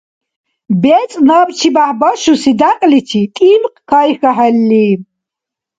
БецӀ набчибяхӀ башуси дякьличи тӀимкь кайхьахӀелли?